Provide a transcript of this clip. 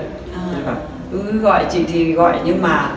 cứ gọi chị thì gọi nhưng mà